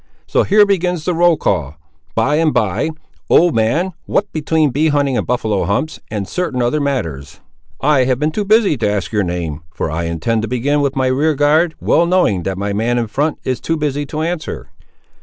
So here begins the roll call—by the by, old man, what between bee hunting and buffaloe humps, and certain other matters, I have been too busy to ask your name; for I intend to begin with my rear guard, well knowing that my man in front is too busy to answer."